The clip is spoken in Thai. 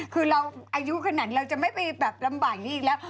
คือเราอายุขนาดนั้นเราจะไม่ได้ดำบ่ายอย่างนี้แล้ว